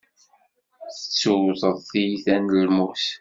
Tettewteḍ tiyita n lmut.